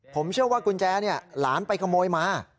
ผมเชื่อว่ากุญแจเนี่ยหลานไปขโมยมา